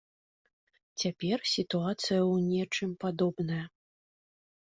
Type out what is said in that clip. Цяпер сітуацыя ў нечым падобная.